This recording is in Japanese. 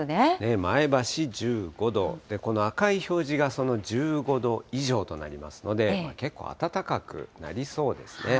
前橋１５度、この赤い表示がその１５度以上となりますので、結構暖かくなりそうですね。